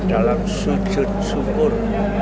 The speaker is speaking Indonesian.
dalam sujud syukur